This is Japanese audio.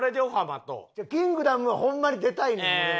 『キングダム』はホンマに出たいねん俺は。